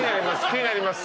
気になります。